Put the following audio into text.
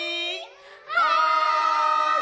はい！